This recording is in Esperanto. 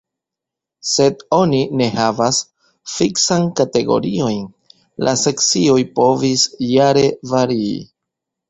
Sed oni ne havas fiksan kategoriojn; la sekcioj povis jare varii.